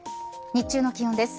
日中の気温です。